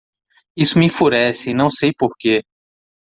Isso me enfurece e não sei por quê.